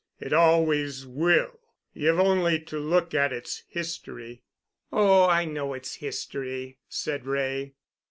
It always will. You've only to look at its history——" "Oh, I know its history," said Wray.